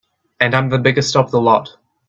And I'm the biggest of the lot.